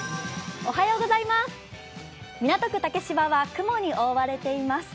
港区竹芝は雲に覆われています。